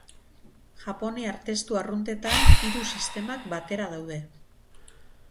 Japoniar testu arruntetan hiru sistemak batera daude.